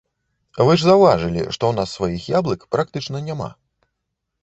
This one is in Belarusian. Вы ж заўважылі, што ў нас сваіх яблык практычна няма.